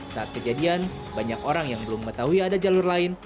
saat kejadian banyak orang yang belum mengetahui ada jalur lain